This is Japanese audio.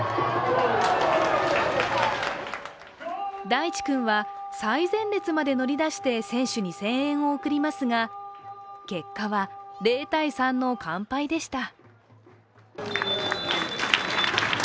大地君は最前列まで乗り出して選手に声援を送りますが結果は０−３の完敗でした。